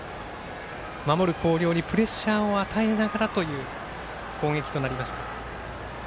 守る広陵にプレッシャーを与えながらという攻撃となりました。